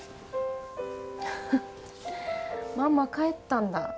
ハハッママ帰ったんだ。